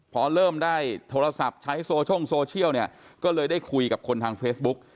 พอเริ่มได้โทรศัพท์ใช้โซ่งโซเชียลเนี่ยก็เลยได้คุยกับคนทางเฟซบุ๊ก